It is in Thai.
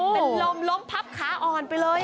เป็นลมล้มพับขาอ่อนไปเลย